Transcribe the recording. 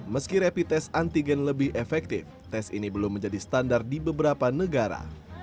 meski rapid test antigen lebih efektif tes ini belum menjadi standar di beberapa negara